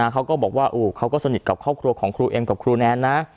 เขาก็บอกว่าเขาก็สนิทกับครอบครัวของครูเอ็มกับครูแนนนะ